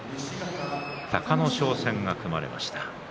隆の勝戦が組まれました。